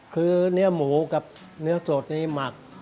คือเนื้อหมูกับเนื้อสดนี้หมัก